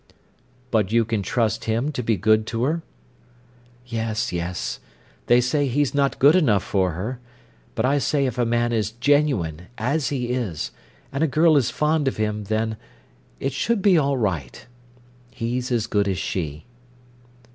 "But you can trust him to be good to her?" "Yes, yes. They say he's not good enough for her. But I say if a man is genuine, as he is, and a girl is fond of him—then—it should be all right. He's as good as she."